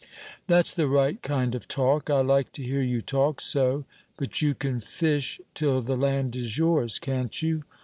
"That's the right kind of talk; I like to hear you talk so; but you can fish till the land is yours can't you?